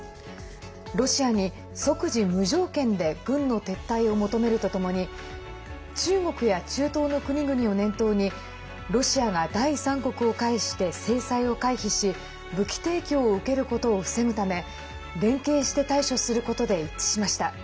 ロシアに即時、無条件で軍の撤退を求めるとともに中国や中東の国々を念頭にロシアが第三国を介して制裁を回避し武器提供を受けることを防ぐため連携して対処することで一致しました。